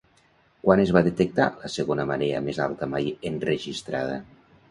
Quan es va detectar la segona marea més alta mai enregistrada?